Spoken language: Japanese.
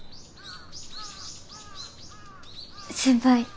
先輩。